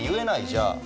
じゃあ。